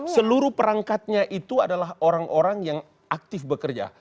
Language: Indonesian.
seluruh perangkatnya itu adalah orang orang yang aktif bekerja